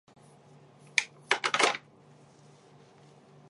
的里雅斯特街。